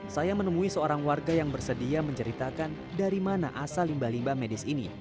saya menemui seorang warga yang bersedia menceritakan dari mana asal limbah limbah medis ini